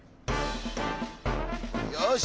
よし！